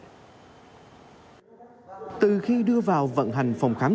điều này không chỉ giúp cho người bệnh tiếp cận được nhiều tiện ích tiết kiệm chi phí